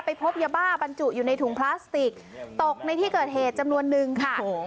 พบยาบ้าบรรจุอยู่ในถุงพลาสติกตกในที่เกิดเหตุจำนวนนึงค่ะ